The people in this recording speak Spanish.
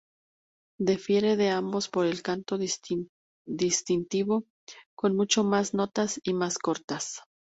Difiere de ambas por el canto distintivo, con mucho más notas y más cortas.